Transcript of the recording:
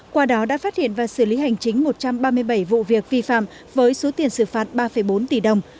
qua đó đã phát hiện và xử lý hành chính một trăm ba mươi bảy vụ việc vi phạm với số tiền xử phạt ba bốn tỷ đồng